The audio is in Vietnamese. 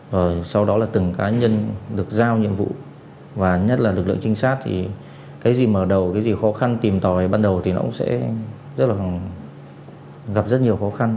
và sau đó là từng cá nhân được giao nhiệm vụ và nhất là lực lượng trinh sát thì cái gì mở đầu cái gì khó khăn tìm tòi ban đầu thì nó cũng sẽ rất là gặp rất nhiều khó khăn